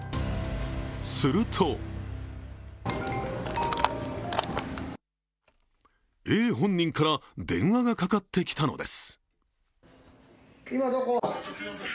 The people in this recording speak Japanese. するとＡ本人から電話がかかってきたのです。